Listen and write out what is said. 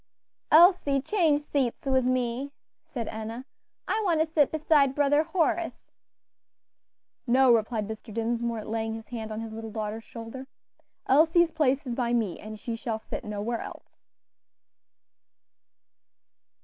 "Elsie, change seats with me," said Enna; "I want to sit beside Brother Horace." "No," replied Mr. Dinsmore, laying his hand on his little daughter's shoulder, "Elsie's place is by me, and she shall sit nowhere else."